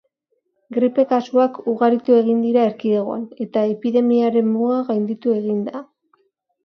Gripe kasuak ugaritu egin dira erkidegoan, eta epidemiaren muga gainditu egin da.